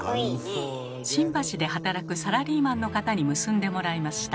新橋で働くサラリーマンの方に結んでもらいました。